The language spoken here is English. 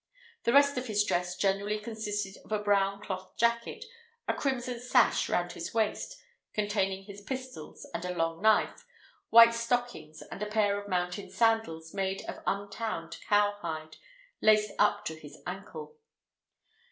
The rest of his dress generally consisted of a brown cloth jacket, a crimson sash round his waist, containing his pistols and long knife, white stockings, and a pair of mountain sandals, made of untanned cowhide, laced up to his ankle.